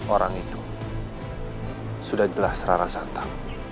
orang itu sudah jelas rara santa